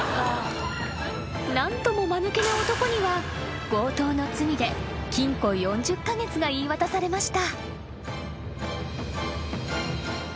［何ともまぬけな男には強盗の罪で禁錮４０カ月が言い渡されました］